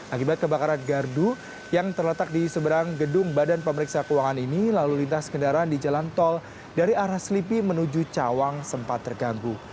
akibat kebakaran gardu yang terletak di seberang gedung badan pemeriksa keuangan ini lalu lintas kendaraan di jalan tol dari arah selipi menuju cawang sempat terganggu